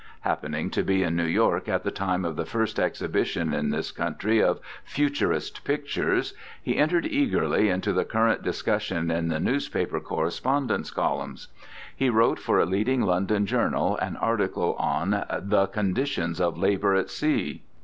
Happening to be in New York at the time of the first exhibition in this country of "futurist" pictures, he entered eagerly into the current discussion in the newspaper correspondence columns. He wrote for a leading London journal an article on "The Conditions of Labour at Sea."